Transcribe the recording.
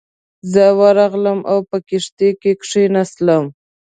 زه ورغلم او په کښتۍ کې کېناستم.